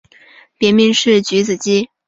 别名是菊子姬。